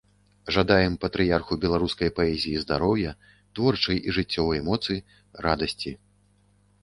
Жадаем патрыярху беларускай паэзіі здароўя, творчай і жыццёвай моцы, радасці.